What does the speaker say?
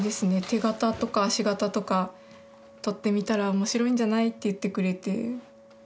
手形とか足形とか取ってみたら面白いんじゃない？って言ってくれて。